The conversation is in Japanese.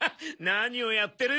何をやってる！